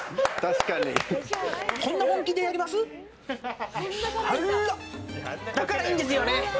でも、だからいいんですよね。